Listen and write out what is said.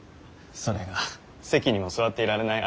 それが席にも座っていられないありさまで。